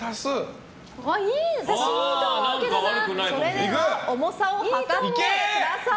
では重さを量ってください。